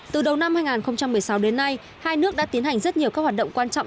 từ đầu năm hai nghìn một mươi sáu đến nay hai nước đã tiến hành rất nhiều các hoạt động quan trọng